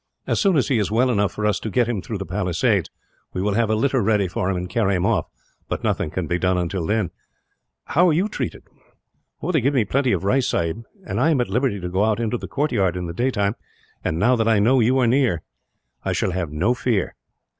As soon as he is well enough for us to get him through the palisades, we will have a litter ready for him, and carry him off; but nothing can be done until then. "How are you treated?" "They give me plenty of rice, sahib, and I am at liberty to go out into the courtyard in the daytime and, now that I know that you are near, I shall have no fear.